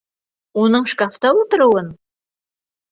Уның шкафта ултырыуын?